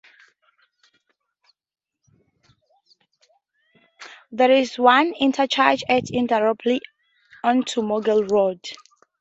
There is one interchange, at Indooroopilly onto Moggill Road.